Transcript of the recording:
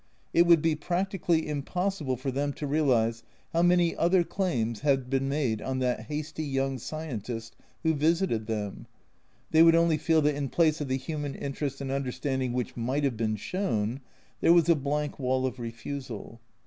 It would be practically impossible for them to realise how many other claims had been made on that hasty young scientist who visited them, they would only feel that in place of the human interest and understanding which might have been shown, there was a blank wall of refusal.